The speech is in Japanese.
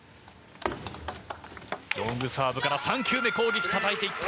ロングサーブから３球目攻撃、たたいていった。